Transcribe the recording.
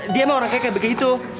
dia emang orangnya kayak begitu